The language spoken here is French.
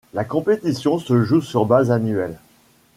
La compétition se joue sur base annuelle.